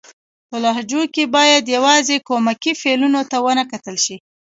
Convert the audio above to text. په لهجو کښي بايد يوازي کومکي فعلو ته و نه کتل سي.